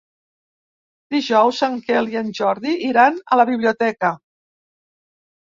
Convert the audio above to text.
Dijous en Quel i en Jordi iran a la biblioteca.